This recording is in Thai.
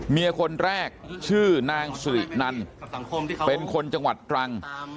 เมียคนแรกชื่อนางสุรินันเป็นคนจังหวัดตรัง